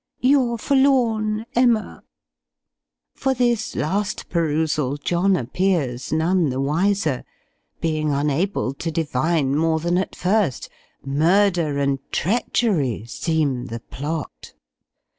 "Your forlorn EMMA." For this last perusal John appears none the wiser, being unable to divine more than at first murder and treachery seem the plot.